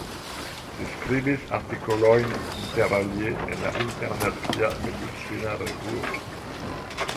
Li skribis artikolojn interalie en la Internacia Medicina Revuo.